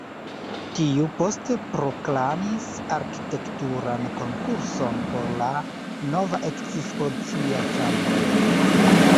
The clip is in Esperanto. Tiu poste proklamis arkitekturan konkurson por la nova ekspozicia ĉambrego.